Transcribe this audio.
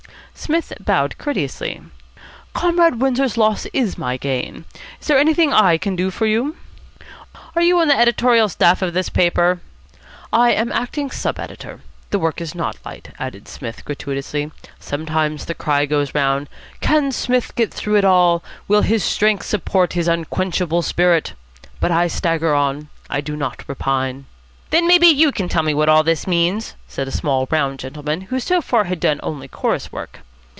Psmith bowed courteously. "Comrade Windsor's loss is my gain. Is there anything I can do for you?" "Are you on the editorial staff of this paper?" "I am acting sub editor. The work is not light," added Psmith gratuitously. "Sometimes the cry goes round, 'Can Psmith get through it all? Will his strength support his unquenchable spirit?' But I stagger on. I do not repine." "Then maybe you can tell me what all this means?" said a small round gentleman who so far had done only chorus work.